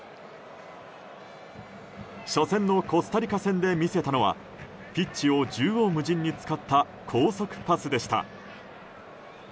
初戦のコスタリカ戦で見せたのはピッチを縦横無尽に使った高速パスでした。